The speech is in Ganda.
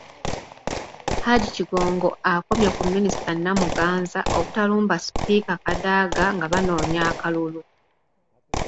Hajji Kigongo akomye ku Minisita Namuganza obutalumba Sipiika Kadaga nga banoonya akalulu.